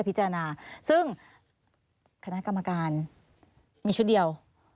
บ๊วยกรรมการมีชุดเดียว